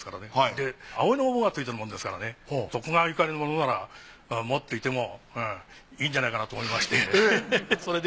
で葵の御紋がついてるもんですからね徳川ゆかりのものなら持っていてもいいんじゃないかなと思いましてそれで。